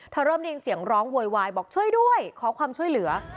เริ่มได้ยินเสียงร้องโวยวายบอกช่วยด้วยขอความช่วยเหลือ